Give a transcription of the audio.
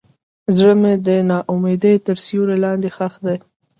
زړه مې د ناامیدۍ تر سیوري لاندې ښخ دی.